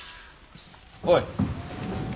おい！